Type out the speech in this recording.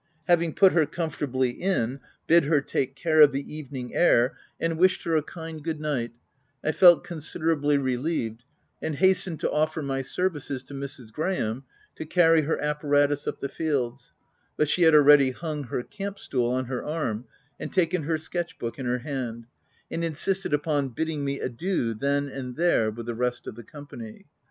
Having put her com fortably in, bid her take care of the evening air, and wished her a kind good night, I felt con siderably relieved, and hastened to offer my services to Mrs. Graham to carry her apparatus up the fields, but she had already hung her camp stool on her arm and taken her sketch book in her hand ; and insisted upon bidding me adieu then and there, with the rest of the company.